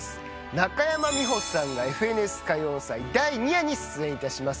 中山美穂さんが『ＦＮＳ歌謡祭』第２夜に出演いたします。